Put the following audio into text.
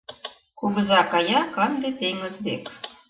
Кугыза кая канде теҥыз дек